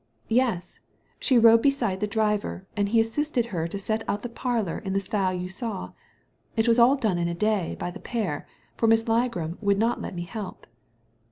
'' Yes 1 she rode beside the driver, and he assisted her to set out the parlour in the style you saw. It was all done in a day by the pair, for Miss Ligram would not let me help."